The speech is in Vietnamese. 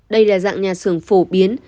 đây là dạng nhà xưởng phổ biến